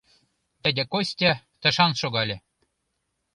Дядя Костя тышан шогале.